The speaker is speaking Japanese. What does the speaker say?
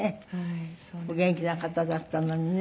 お元気な方だったのにね。